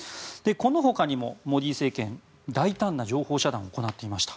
この他にもモディ政権大胆な情報遮断を行っていました。